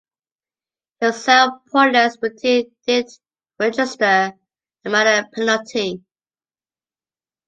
He was held pointless, but he did register a minor penalty.